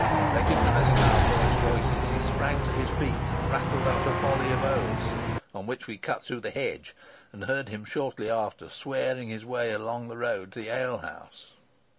Recognizing our boys' voices, he sprang to his feet and rattled out a volley of oaths; on which we cut through the hedge, and heard him shortly after swearing his way along the road to the yel house."